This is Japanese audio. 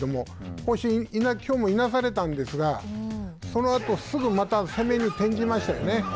こうしてきょうもいなされたんですがそのあと、すぐまた攻めに転じましたよね。